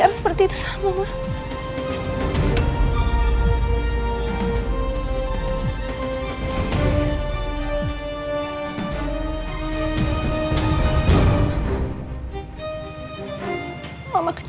kalo aku salah mama juga pembunuh